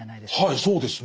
はいそうですね。